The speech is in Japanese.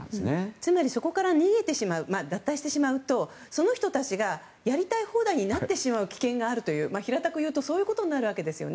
つまりそこから逃げてしまう脱退してしまうと、その人たちがやりたい放題になってしまう危険があると平たく言うとそういうことになるわけですね。